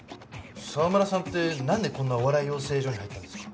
澤村さんってなんでこんなお笑い養成所に入ったんですか？